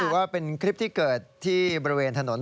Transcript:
ว่าเป็นคลิปที่เกิดที่บริเวณถนน